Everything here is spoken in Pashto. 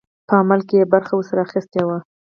په عمل کې یې برخه ورسره اخیستې وه.